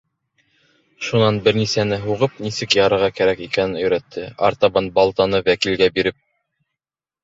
Шунан бер нисәне һуғып, нисек ярыр кәрәк икәнен өйрәтте, артабан балтаны Вәкилгә биреп: